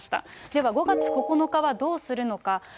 では、５月９日はどうするのか。